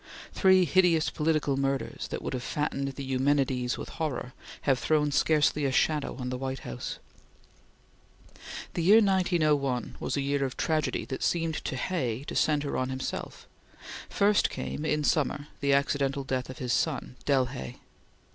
Three hideous political murders, that would have fattened the Eumenides with horror, have thrown scarcely a shadow on the White House. The year 1901 was a year of tragedy that seemed to Hay to centre on himself. First came, in summer, the accidental death of his son, Del Hay.